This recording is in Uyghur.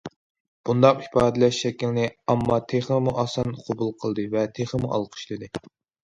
بۇنداق ئىپادىلەش شەكلىنى ئامما تېخىمۇ ئاسان قوبۇل قىلدى ۋە تېخىمۇ ئالقىشلىدى.